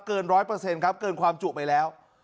เกินร้อยเปอร์เซ็นต์ครับเกินความจุไปแล้ว